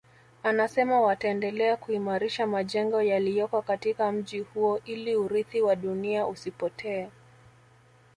Anasema wataendelea kuimarisha majengo yaliyoko katika mji huo ili urithi wa dunia usipotee